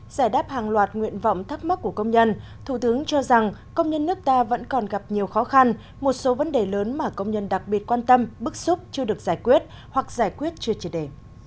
giải đáp hàng loạt nguyện vọng thắc mắc của công nhân thủ tướng cho rằng công nhân nước ta vẫn còn gặp nhiều khó khăn một số vấn đề lớn mà công nhân đặc biệt quan tâm bức xúc chưa được giải quyết hoặc giải quyết chưa triệt đề